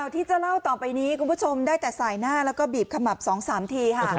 ที่จะเล่าต่อไปนี้คุณผู้ชมได้แต่สายหน้าแล้วก็บีบขมับ๒๓ทีค่ะ